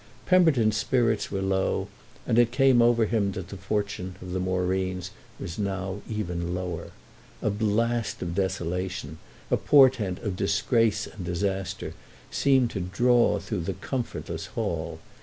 Pemberton's spirits were low, and it came over him that the fortune of the Moreens was now even lower. A blast of desolation, a portent of disgrace and disaster, seemed to draw through the comfortless hall.